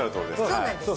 そうなんですよ。